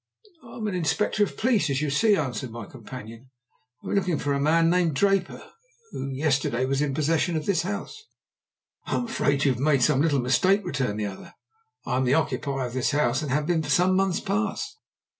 "I am an Inspector of Police, as you see," answered my companion, "and we are looking for a man named Draper, who yesterday was in possession of this house." "I am afraid you have made some little mistake," returned the other. "I am the occupier of this house, and have been for some months past.